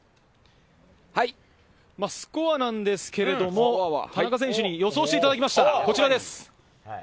スコアなんですけれども、田中選手に予想していただきました。